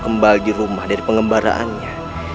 kembali di rumah dari pengembaraannya